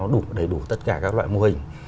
đủ đầy đủ tất cả các loại mô hình